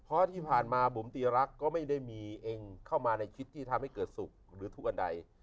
เพราะที่ผ่านมาบุ๋มตีรักก็ไม่ได้มีเองเข้ามาในคิดที่ทำให้เกิดสุขหรือทุกอันใด